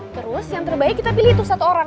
terus yang terbaik kita pilih untuk satu orang